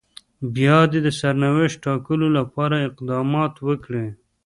بيا دې د سرنوشت ټاکلو لپاره اقدامات وکړي.